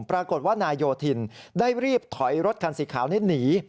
ปรากฏว่านายโยธินได้รีบถอยรถคันสีขาวนี้หนี